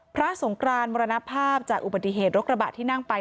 สงกรานมรณภาพจากอุบัติเหตุรถกระบะที่นั่งไป